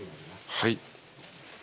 はい。